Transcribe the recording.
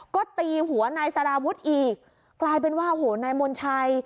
ก็ตีหัวนายสารวุฒิอีกกลายเป็นว่าโอ้โหนายมนชัย